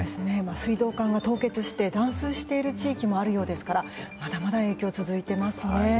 水道管が凍結して断水している地域もあるようですからまだまだ影響が続いていますね。